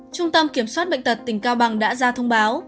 trung tâm kiểm soát bệnh tật tỉnh cao bằng đã ra thông báo